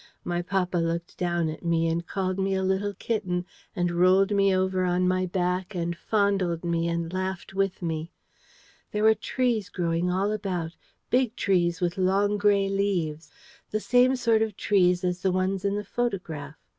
My papa looked down at me, and called me a little kitten, and rolled me over on my back, and fondled me and laughed with me. There were trees growing all about, big trees with long grey leaves: the same sort of trees as the ones in the photograph.